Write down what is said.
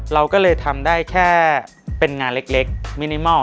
เราก็เลยทำได้แค่เป็นงานเล็กมินิมอล